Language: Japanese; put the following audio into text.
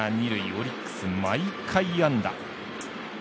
オリックス毎回安打。